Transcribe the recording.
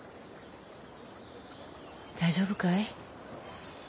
大丈夫かい？